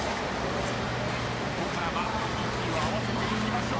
［ここからは息を合わせていきましょう］